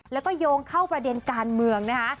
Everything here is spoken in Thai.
แล้วก็โยงเข้าประเด็นการเมืองนะคะ